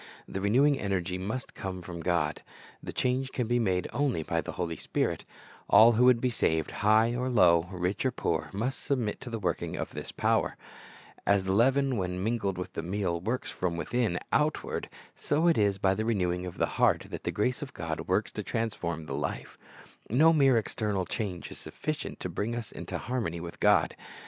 The renewing energy must come from God. The change can be made onl} by the Holy Spirit. All ^Luke 12: I ; i Cor 5 . 8 •All classe. . k/ ■>•■ kty v, There were the poor, 'Like tint o Lea v en" 97 who would be saved, high or low, rich or poor, must submit to the working of this power. As the leaven, when mingled with the meal, works from within outward, so it is by the renewing of the heart that the grace of God works to transform the life. No mere external change is sufficient to bring us into harmony with God.